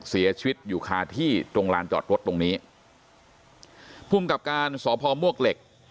เสียชีวิตอยู่คาที่ตรงลานจอดรถตรงนี้ภูมิกับการสพมวกเหล็ก